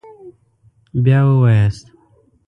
بیا ووایاست